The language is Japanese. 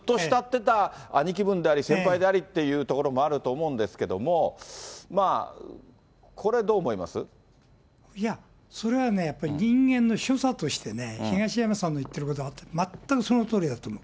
それはまあ、ずっと慕ってた兄貴分であり、先輩でありというところもあると思うんですけれども、いや、それはやっぱり人間の所作として、東山さんの言ってることは全くそのとおりだと思う。